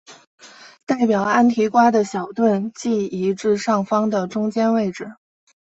代表安提瓜的小盾即移至上方的中间位置。